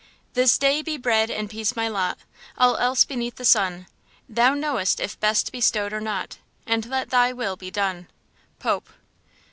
This day be bread and peace my lot; All else beneath the sun Thou knowest if best bestowed or not, And let thy will be done.–POPE.